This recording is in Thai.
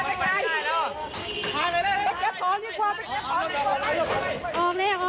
อ๋อพ่ะบัญญาโมนออกมา